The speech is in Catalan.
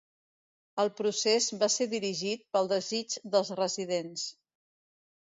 El procés va ser dirigit pel desig dels residents.